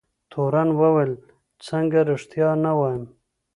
تورن وویل څنګه رښتیا نه وایم.